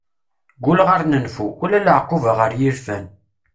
Gulleɣ ar nenfu, wala laɛquba ɣer yilfan.